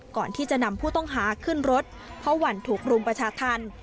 ก่อนที่จะนำผู้ต้องหาขึ้นรถเพราะหวั่นถูกรุมประชาธรรม